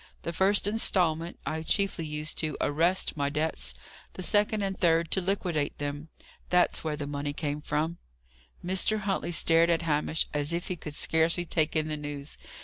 The first instalment, I chiefly used to arrest my debts; the second and third to liquidate them. That's where the money came from." Mr. Huntley stared at Hamish as if he could scarcely take in the news.